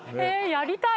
やりたい？